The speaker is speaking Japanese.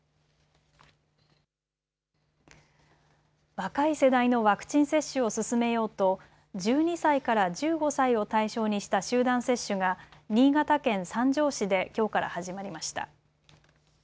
若い世代のワクチン接種を進めようと１２歳から１５歳を対象にした集団接種が新潟県三条市できょうから始まりました。